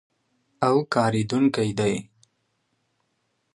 او کارېدونکی دی.